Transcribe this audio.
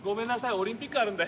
オリンピックあるんで！